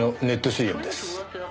ＣＭです。